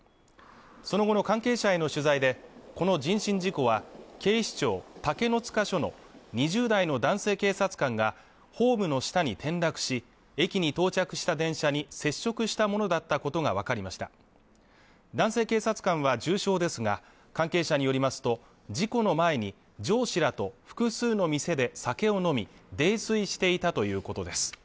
その後の関係者への取材でこの人身事故は警視庁竹の塚署の２０代の男性警察官がホームの下に転落し駅に到着した電車に接触したものだったことが分かりました男性警察官は重傷ですが関係者によりますと事故の前に上司らと複数の店で酒を飲み泥酔していたということです